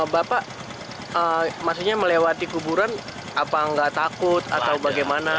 bapak maksudnya melewati kuburan apa nggak takut atau bagaimana